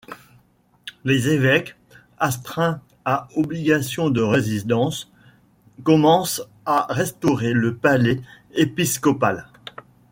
Les évêques, astreints à obligation de résidence, commencent à restaurer le palais épiscopal.